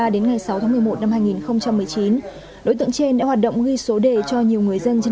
đến ngày sáu tháng một mươi một năm hai nghìn một mươi chín đối tượng trên đã hoạt động ghi số đề cho nhiều người dân trên